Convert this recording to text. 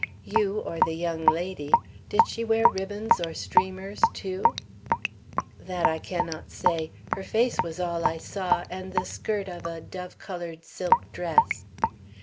You or the young lady did she wear ribbons or streamers, too?" "That I cannot say. Her face was all I saw, and the skirt of a dove colored silk dress."